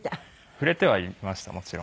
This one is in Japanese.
触れてはいましたもちろん。